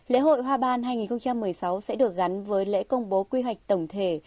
lễ hội hoa ban hai nghìn một mươi sáu sẽ được gắn với lễ công bố quy hoạch tổng thể